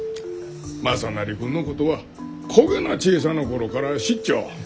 雅修君のことはこげな小さな頃から知っちょ。